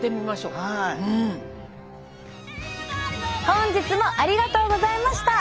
本日もありがとうございました！